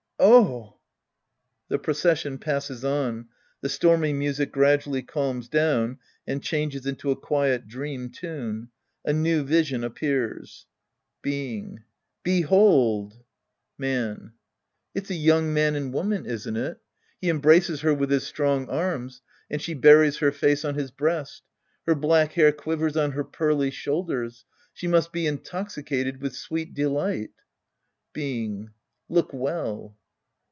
Oh ! {The procession passes on. The stormy music gra dually calms down and changes into a quiet dream tune. A new vision appears.) Being. Behold ! ind. The Priest and His Disciples 5 Man. It's a young man and woman, isn't it ? He embraces her with his strong arms. And she buries her face on his breast. Her black hair quivers on her pearly shoulders.' She must be intoxicated with sweet deKght. Being. Look well.